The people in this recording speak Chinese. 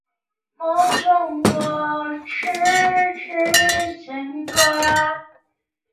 伊号第一三潜水舰是大日本帝国海军伊一三型潜水艇的一号舰。